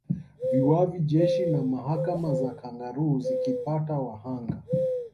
Viwavi Jeshi na mahakama za kangaroo zikapata wahanga